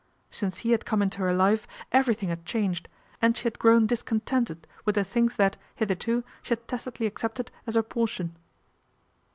Since he had come into her life everything had changed, and she had grown discontented with the things that, hitherto, she had tacitly accepted as her portion.